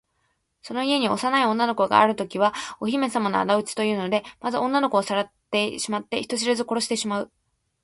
その家に幼い女の子があるときは、お姫さまのあだ討ちだというので、まず女の子をさらっていって、人知れず殺してしまう。